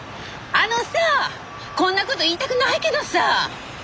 あのさこんなこと言いたくないけどさ。